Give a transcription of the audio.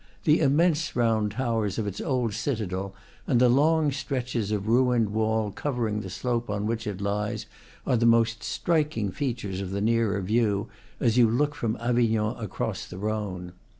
The im mense round towers of its old citadel and the long stretches of ruined wall covering the slope on which it lies, are the most striking features of the nearer view, as you look from Avignon across the Rhone.